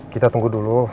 kita tunggu dulu